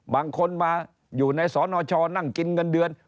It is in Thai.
บางคนมาอยู่ในสนชนั่งกินเงินเดือน